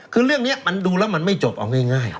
คือเรื่องนี้มันดูแล้วมันไม่จบเอาง่าย